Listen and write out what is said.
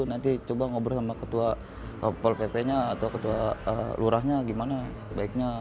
nanti coba ngobrol sama ketua polkp nya atau ketua kelurahnya gimana baiknya